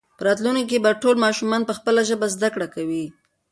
په راتلونکي کې به ټول ماشومان په خپله ژبه زده کړه کوي.